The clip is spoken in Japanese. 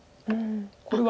これは。